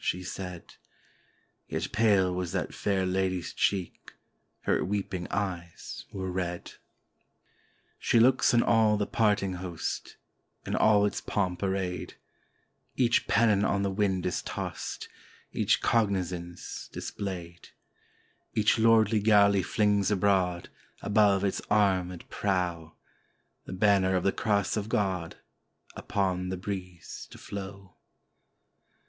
she said; Yet pale was that fair Lady's cheek, her weeping eyes were red. 61S PORTUGAL She looks on all the parting host, in all its pomp arrayed, Each pennon on the wind is tost, each cognizance dis played ; Each lordly galley flings abroad, above its armed prow. The banner of the Cross of God, upon the breeze to flow.